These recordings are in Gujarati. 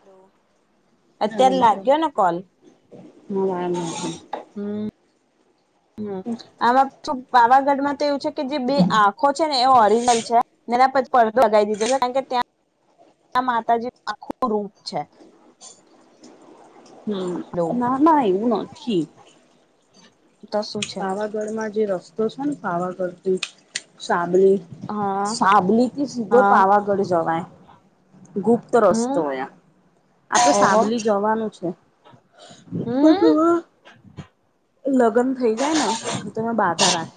હલો. હેલો અત્યાર લાગ્યો ને કોલ. હા વારંવાર હમ હમ આ [unintelligible] શું પાવાગઢમાં તો એવું છે કે જે બે આંખો છે ને એ ઓરિજનલ છે અને એના પર પરત લગાઇ દીધો છે કારણ કે [inaudible] આ માતાજી આખું રૂપ છે. હમ એવું ના ના એવું નથી. તો શું છે પાવાગઢમાં જે રસ્તો છે ને પાવાગઢથી સા બલી હા સાબલીથી સીધો હા પાવાગઢ જવાય. ગુપ્ત હમ રસ્તો એ આપડે ઓહો સાબલી જવાનું છે. પણ હમ પેલા લગન થઈ જાય ને તો મે બાધા રાખ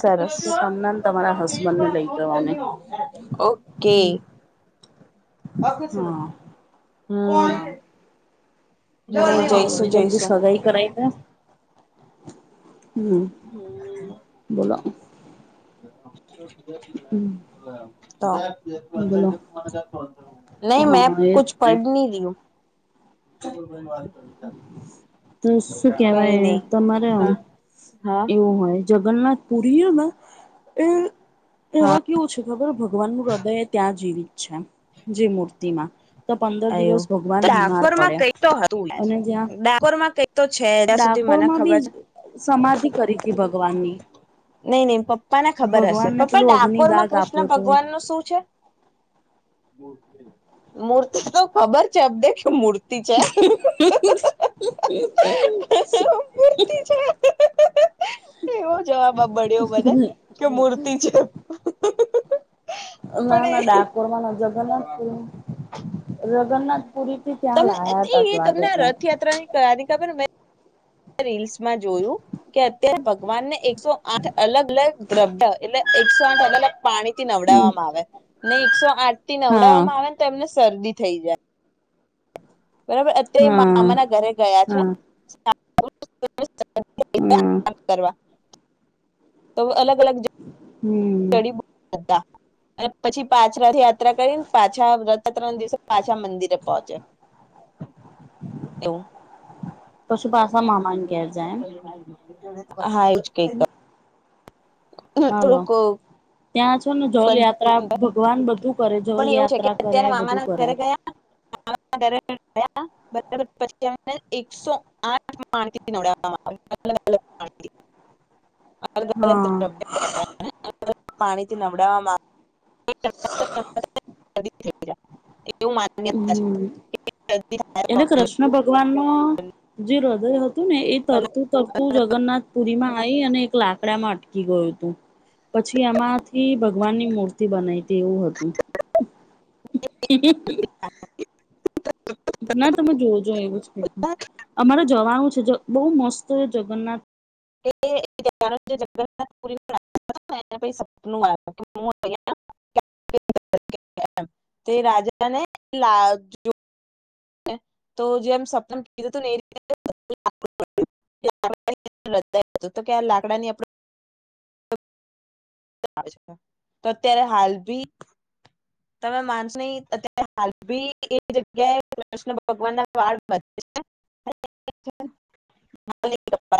સરસ [inaudible] કે તમને ને તમારા હસબન્ડને લઈ જવાની હ. ઓકે [inaudible] [unintelligible] હા [inaudible] ભગવાન જઈશું જલ્દી જલ્દી જઈશું સગાઈ કરાય દે. હમ. બોલો. બોલો [inaudible] ન‌ઇ મે હા એ જ કુછ, તે પડ ન‌ઇ ર‌ઇ હુ તો શું કેવાય, તમારે અ હા એવું હોય જગન્નાથ, પુરી હન અ એ હા એવા કેવું છે, કે ખબર ભગવાનનું હૃદય ય ત્યાં જીવિત છે, જે મૂર્તિમાં તો પંદર આયો દિવસ ભગવાન બીમાર ડાકોરમાં પડે કઈ તો હતું યાર અને જ્યાં ડાકોરમાં કઈક તો છે ત્યાં સુધી મને ડાકોરમા બી ખબર છે સમાધિ, કરી તી ભગવાનની નહી, નહી પપ્પા ને ખબર હશે ભગવાનને પપ્પા પેલું અગ્નિ દાગ ડાકોરમાં આપ્યો કૃષ્ણ હતો. ભગવાનનું શું છે? મૂર્તિ તો ખબર છે, અપ દે મૂર્તિ મૂર્તિ છે, મૂર્તિ છે એવો જવાબ, આબડ્યો મને કે મૂર્તિ છે. ના ના પડે ડાકોરમા, નજર તો ના પ જગન્નાથ પુરીથી ત્યા તમને લાયા હતા, તો એ લાગે તમને ત્યાં રથયાત્રાની કરાની ખબર રીલ્સમાં જોયું, કે અત્યારે ભગવાનને એકસો આઠ અલગ અલગ દ્રવ્ય એટલે એકસો, આઠ અલગ અલ પાણી થી ત્યાં નવડાવવામાં આવે ને એકસો, આઠ થી હા નવડાવવામા આવે ને તો એમને શરદી થઈ જાય. બરાબર, અત્યારે હા મામા ના ઘરે ગયા છે. હા હા [unintelligible] કરવા તો અલગ, અલગ હમ [unintelligible] [unintelligible] અને પછી પાછરા થી, યાત્રા કરીને પાછા રથયાત્રા ના દિવસે પાછા મંદિરે પહોંચ્યા [unintelligible] એવુ પશુ પાસા માંમાના ઘેર, જાયન હા, એજ કઈક રડક ત્યા છો, ને જલ યાત્રા ભગવાન બધું કરે જલ પણ એવું છે કે યાત્રા કરે અત્યારે બધું મામાના કરે ઘરે ગયા બરાબર, [unintelligible] પછી એકસો આઠ માણ [unintelligible] હ [unintelligible] અલગ અલગ, દ્રવ્ય [unintelligible] પાણીથી નવડાવવામા [unintelligible] હમ્મ, એલે થાય કૃષ્ણ ભગવાન નો જે હૃદય હતો તુ ને એ તરતુ, તરતુ જગન્નાથ પુરી માં આવી અને એક લાકડામાં અટકી ગયુ તુ પછી, એમાંથી ભગવાનની મૂર્તિ બનાવીતી એવુ હતુ હમ્મ હમ્મ ના, તમે જોવો જો એવુ, જ કે અમારે જવાનું છે. બહુ મસ્ત જગન્નાથ [unintelligible] [unintelligible] તે રાજાને લાગયુ તો જે એમ સપનમ કીધું હતુ, ને એ રીતે [unintelligible] [unintelligible] તો કે આ લાકડાની આપ [unintelligible] તો અત્યારે હાલ ભી તમે માનસો નહી, અત્યારે હાલ ભી એ જગ્યાએ કૃષ્ણ ભગવાન ના બાળ [unintelligible] બ છે. હ [unintelligible] હ [inaudible]